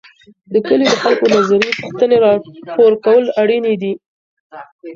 د کلي د خلګو نظري پوښتني راپور کول اړیني دي.